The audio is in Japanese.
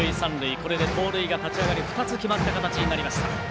これで盗塁が立ち上がり２つ決まった形になりました。